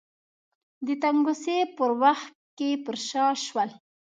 د تنګسې په وخت کې پر شا شول.